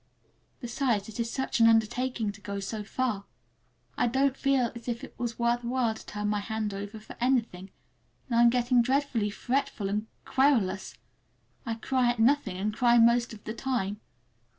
Besides, it is such an undertaking to go so far. I don't feel as if it was worth while to turn my hand over for anything, and I'm getting dreadfully fretful and querulous. I cry at nothing, and cry most of the time.